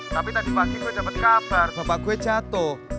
tapi tadi pagi gue dapat kabar bapak gue jatuh